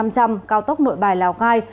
cao tốc nội bài lào cai